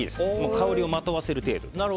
香りをまとわせる程度。